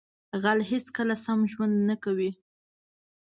غل هیڅکله سم ژوند نه کوي